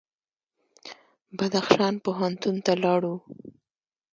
بدخشان پوهنتون ته لاړو.